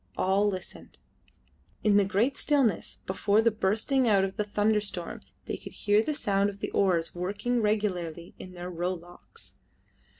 All listened. In the great stillness before the bursting out of the thunderstorm they could hear the sound of oars working regularly in their row locks.